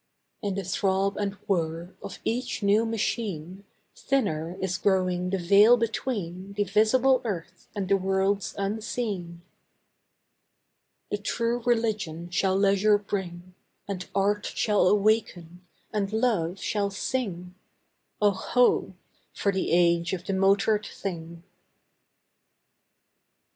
In the throb and whir of each new machine Thinner is growing the veil between The visible earth and the worlds unseen. The True Religion shall leisure bring; And Art shall awaken and Love shall sing: Oh, ho! for the age of the motored thing!